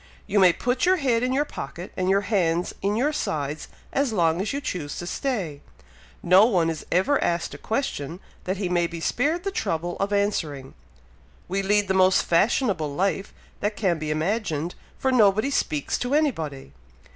You may put your head in your pocket, and your hands in your sides as long as you choose to stay. No one is ever even asked a question, that he may be spared the trouble of answering. We lead the most fashionable life that can be imagined, for nobody speaks to anybody!